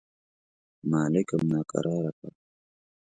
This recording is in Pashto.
مالکم یې ناکراره کړ.